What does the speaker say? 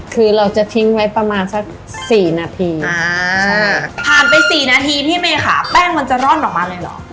คือเราจะทิ้งไว้ประมาณสัก๔นาทีผ่านไป๔นาทีพี่เมค่ะแป้งมันจะร่อนออกมาเลยเหรอ